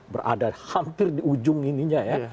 berada hampir di ujung ininya ya